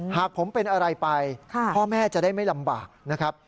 หากผมเป็นอะไรไปพ่อแม่จะได้ไม่ลำบากนะครับ